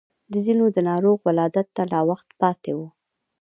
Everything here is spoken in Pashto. د ځينو د ناروغ ولادت ته لا وخت پاتې و.